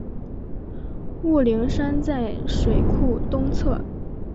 雾灵山在水库东侧。